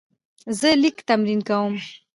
زه لیک تمرین کوم.